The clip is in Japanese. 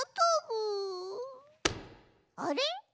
・あれ？